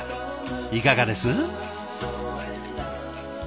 いかがです？